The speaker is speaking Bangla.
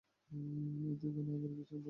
এইতো এখানে, আবার পেছন থেকে বলছি।